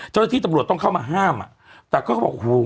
เจ้าตัวที่ตำลวจต้องเข้ามาห้ามอ่ะแต่ก็บอกหู